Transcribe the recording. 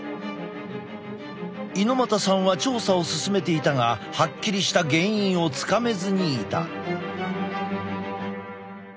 猪又さんは調査を進めていたがはっきりした原因をつかめずにいた。